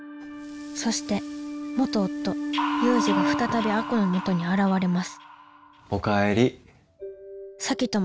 そして元夫・祐二が再び亜子のもとに現れますおかえり。